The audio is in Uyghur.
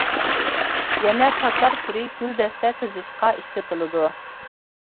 يەنە پاكار تۈرى گۈلدەستە تىزىشتا ئىشلىتىلىدۇ.